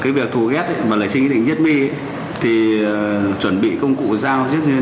cái việc thù ghét và lấy sinh ý định giết my thì chuẩn bị công cụ dao trước như thế nào